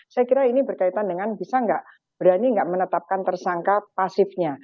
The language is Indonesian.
saya kira ini berkaitan dengan bisa nggak berani nggak menetapkan tersangka pasifnya